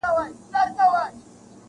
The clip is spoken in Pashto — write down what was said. • نه دي نوم وي د لیلا نه دي لیلا وي..